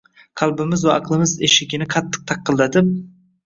Qalbimiz va aqlimiz eshigini qattiq taqillatib